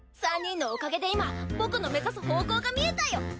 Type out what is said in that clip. ３人のおかげで今僕の目指す方向が見えたよ。